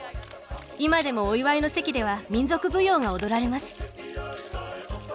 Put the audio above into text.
今でもお祝いの席では民族舞踊が踊られます。